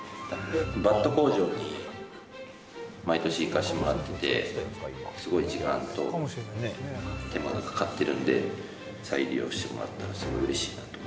バット工場に毎年行かせてもらって、すごい時間と手間がかかっているので、再利用してもらえたら、すごいうれしい。